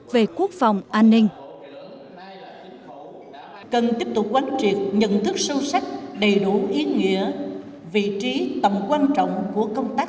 về quốc phòng an ninh